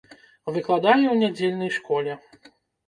Выкладае ў нядзельнай школе.